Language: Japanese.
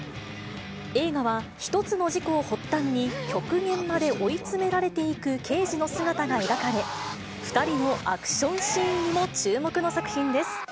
映画は一つの事故を発端に、極限まで追い詰められていく刑事の姿が描かれ、２人のアクションシーンにも注目の作品です。